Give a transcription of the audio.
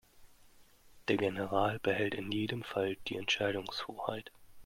Der General behält in jedem Fall die Entscheidungshoheit.